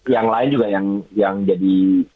yang lain juga yang jadi